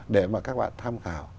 để mà các bạn tham khảo